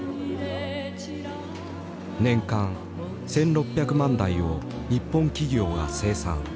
年間１，６００万台を日本企業が生産。